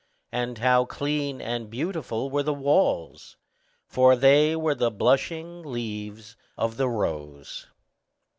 and how clean and beautiful were the walls! for they were the blushing leaves of the rose.